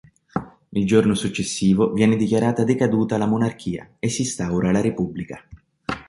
Il giorno successivo viene dichiarata decaduta la monarchia, e si instaura la repubblica.